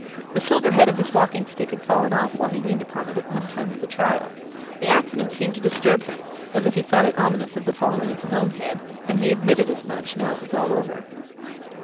The silver head of his walking stick had fallen off while he leaned upon it, at one time of the trial. The accident seemed to disturb him, as if he thought it ominous of the falling of his own head; and he admitted as much, now it was all over.